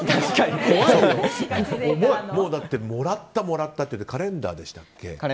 だってもらったもらったって言ってカレンダーでしたっけ。